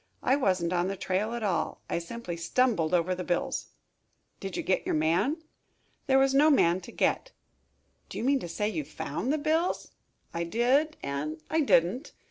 I wasn't on the trail at all. I simply stumbled over the bills." "Did you get your man?" "There was no man to get." "Do you mean to say you found the bills?" "I did and I didn't.